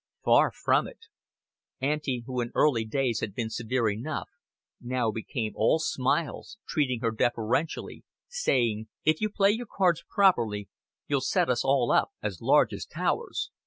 Far from it. Auntie, who in early days had been severe enough, now became all smiles, treating her deferentially, saying: "If you play your cards properly you'll set us all up as large as towers.